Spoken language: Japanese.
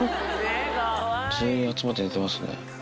全員集まって寝てますね。